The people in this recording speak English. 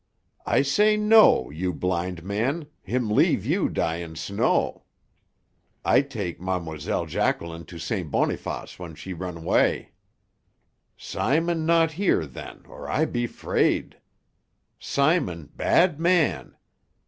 I say no, you blind man, him leave you die in snow. I take Ma'm'selle Jacqueline to St. Boniface when she run 'way. Simon not here then or I be 'fraid. Simon bad man.